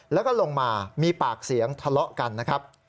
แล้วก็ลงมามีปากเสียงทะเลาะกันนะครับ